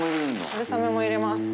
春雨も入れます。